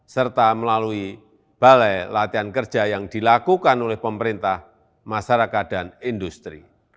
serta melalui balai latihan kerja yang dilakukan oleh pemerintah masyarakat dan industri